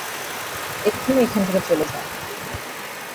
এক্ষুনি এখান থেকে চলে যান!